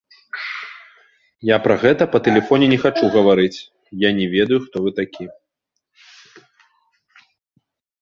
Я пра гэта па тэлефоне не хачу гаварыць, я не ведаю, хто вы такі.